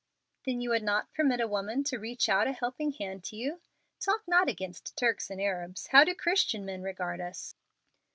"Then you would not permit a woman to reach out a helping hand to you? Talk not against Turks and Arabs. How do Christian men regard us?"